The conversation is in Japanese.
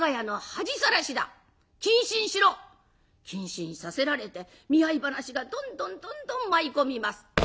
謹慎させられて見合い話がどんどんどんどん舞い込みます。